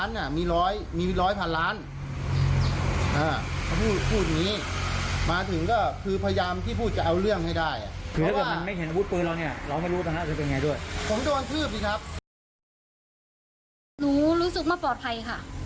หนูรู้สึกมากปลอดภัยค่ะ